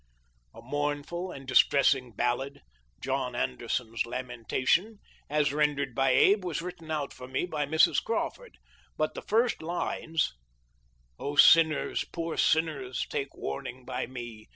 A mournful and distressing ballad, " John Ander son's Lamentation," as rendered by Abe, was writ ten out for me by Mrs. Crawford, but the first lines, " Oh, sinners, poor sinners, take warning by me.